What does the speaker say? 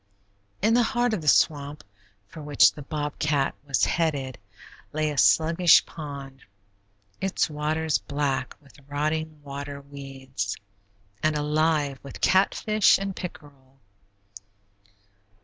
In the heart of the swamp, for which the bobcat was headed, lay a sluggish pond, its waters black with rotting water weeds, and alive with catfish and pickerel.